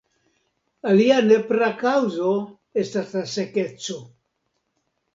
Alia nepra kaŭzo estas la sekeco.